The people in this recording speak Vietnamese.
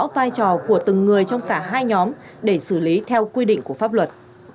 vai trò của từng người trong cả hai nhóm để xử lý theo quy định của pháp luật